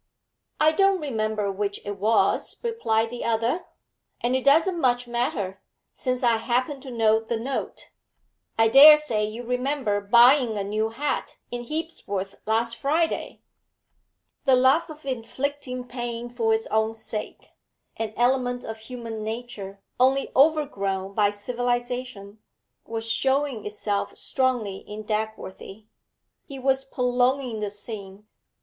'I don't remember which it was,' replied the other, 'and it doesn't much matter, since I happen to know the note. I dare say you remember buying a new hat in Hebsworth last Friday?' The love of inflicting pain for its own sake, an element of human nature only overgrown by civilisation, was showing itself strongly in Dagworthy. He was prolonging this scene.